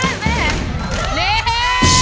ขอบคุณค่ะ